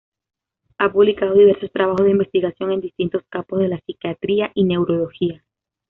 Ha publicado diversos trabajos de investigación en distintos campos de la psiquiatría y neurología.